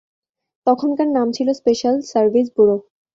তখনকার নাম ছিল স্পেশাল সার্ভিস ব্যুরো।